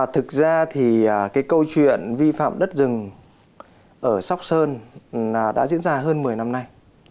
thực ra thì cái câu chuyện vi phạm đất rừng ở sóc sơn đã diễn ra hơn một mươi năm nay